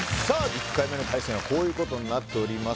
１回目の対戦はこういうことになっております